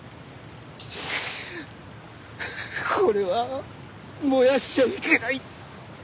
これは燃やしちゃいけない。